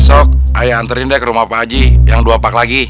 besok ayah antrein deh ke rumah pakji yang dua pak lagi